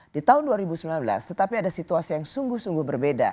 di tahun dua ribu sembilan belas tetapi ada situasi yang sungguh sungguh berbeda